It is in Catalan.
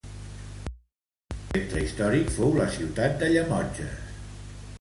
El seu centre històric fou la ciutat de Llemotges.